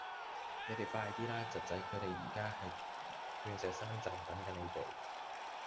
你哋快啲啦!侄仔佢哋而家喺鑽石山站等緊你哋